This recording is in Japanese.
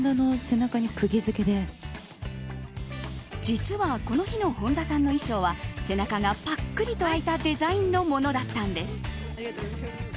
実はこの日の本田さんの衣装は背中がぱっくりと開いたデザインのものだったのです。